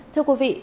thưa quý vị